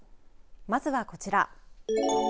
まずはこちら。